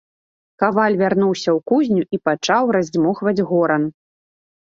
Каваль вярнуўся ў кузню і пачаў раздзьмухваць горан.